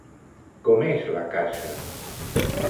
Com és la casa?